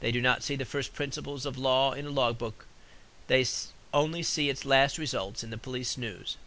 They do not see the first principles of law in a law book; they only see its last results in the police news.